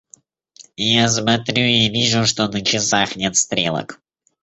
Я смотрю и вижу, что на часах нет стрелок.